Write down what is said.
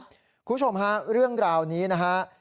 คุณผู้ชมฮะเรื่องราวนี้นะฮะ